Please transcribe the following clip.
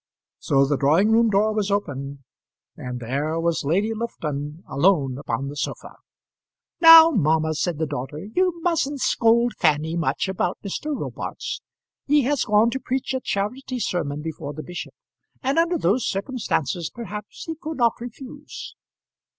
So the drawing room door was opened, and there was Lady Lufton alone upon the sofa. "Now, mamma," said the daughter, "you mustn't scold Fanny much about Mr. Robarts. He has gone to preach a charity sermon before the bishop, and under those circumstances, perhaps, he could not refuse."